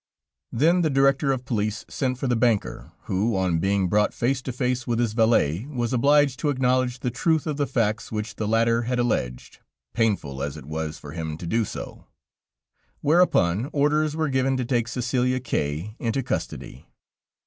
Then the director of police sent for the banker, who, on being brought face to face with his valet, was obliged to acknowledge the truth of the facts which the latter had alleged, painful as it was for him to do so; whereupon orders were given to take Cæcelia K into custody.